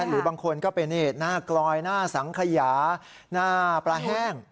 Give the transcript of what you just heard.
หรือบางคนก็เป็นหน้ากลอยหน้าสังขยาหน้าปลาแห้ง